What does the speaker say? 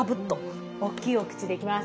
おっきいお口でいきます。